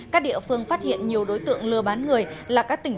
các địa phương phát hiện nhiều đối tượng lừa bán người là các tỉnh